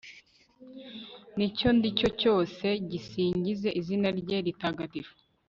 n'icyo ndi cyo cyose gisingize izina rye ritagatifu